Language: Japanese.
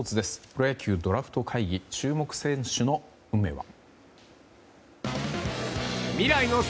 プロ野球ドラフト会議注目選手の運命は。